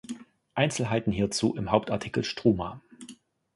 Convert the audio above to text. Einzelheiten hierzu im Hauptartikel Struma.